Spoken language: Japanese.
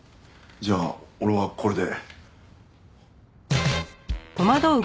じゃあ俺はこれで。